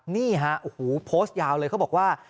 นี่ฮะโอ้โหโพสต์ยาวเลยเขาบอกว่า